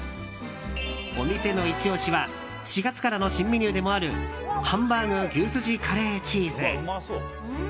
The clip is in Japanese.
お店のイチ押しは４月からの新メニューでもあるハンバーグ牛すじカレーチーズ。